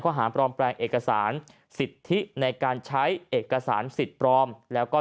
หาปลอมแปลงเอกสารสิทธิในการใช้เอกสารสิทธิ์ปลอมแล้วก็